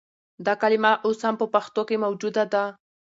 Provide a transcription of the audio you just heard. دا کلمه اوس هم په پښتو کښې موجوده ده